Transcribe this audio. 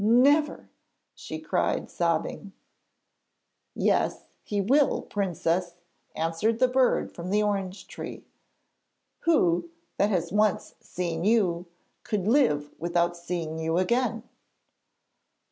Never!' she cried, sobbing. 'Yes, he will, Princess,' answered the bird from the orange tree. 'Who, that has once seen you, could live without seeing you again?'